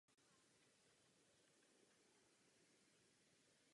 Dám vám konkrétní příklad z mé země.